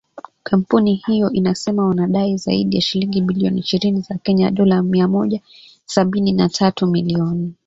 kampuni hiyo inasema wanadai zaidi ya shilingi bilioni ishirini za Kenya dola mia moja sabini na tatu milioni